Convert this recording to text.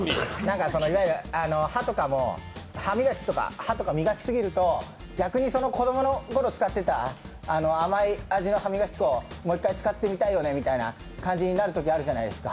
いわゆる歯とかも歯磨きとか歯とか磨き過ぎると逆に子供のころ使ってた甘い味の歯磨き粉もう１回使ってみたいよねみたいな感じになることあるじゃないですか。